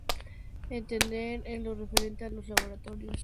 Entender en lo referente a los laboratorios nacionales de salud pública.